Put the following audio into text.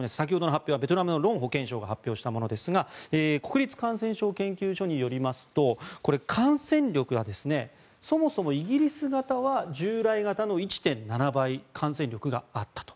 先ほどの発表はベトナムのロン保健相が発表したものですが国立感染症研究所によりますと感染力がそもそもイギリス型は従来型の１．７倍感染力があったと。